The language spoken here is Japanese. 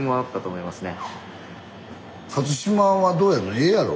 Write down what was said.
ええやろ？